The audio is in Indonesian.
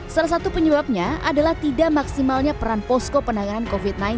salah satu penyebabnya adalah tidak maksimalnya peran posko penanganan covid sembilan belas